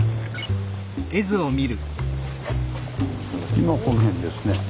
今この辺ですね。